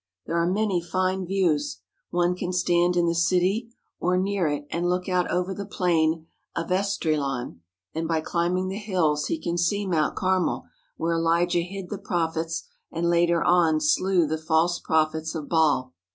There are many fine views. One can stand in the city or near it and look out over the plain of Esdraelon, and by climbing the hills he can see Mount Carmel, where Elijah hid the prophets and later on slew the false prophets of Baal.